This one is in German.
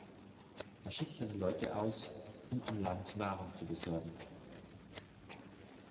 Er schickt seine Leute aus, um an Land Nahrung zu besorgen.